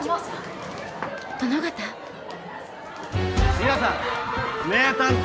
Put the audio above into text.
皆さん名探偵